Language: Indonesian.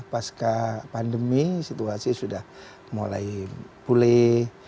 pasca pandemi situasi sudah mulai pulih